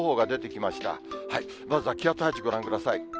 まずは気圧配置ご覧ください。